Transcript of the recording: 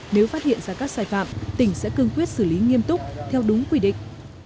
nếu phát hiện ra các sai phạm tỉnh sẽ cương quyết xử lý nghiêm túc theo đúng quy định